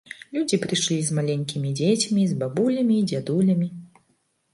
Людзі прыйшлі з маленькімі дзецьмі, з бабулямі і дзядулямі.